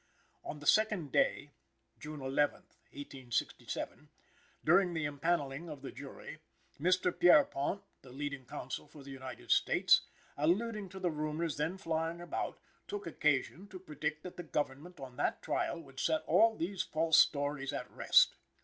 On the second day (June 11th, 1867), during the impanelling of the jury, Mr. Pierrepont, the leading counsel for the United States, alluding to the rumors then flying about, took occasion to predict that the Government on that trial would set all these false stories at rest.